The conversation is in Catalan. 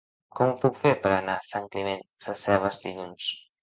Com ho puc fer per anar a Sant Climent Sescebes dilluns?